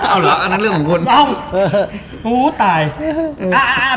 เอาเหรออันนั้นเรื่องของคุณอ้าวอู้วตายอ่าอ่าอ่า